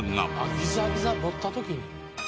あっギザギザ持った時に。